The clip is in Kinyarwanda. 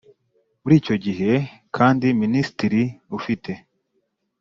Muri icyo gihe kandi Minisitiri ufite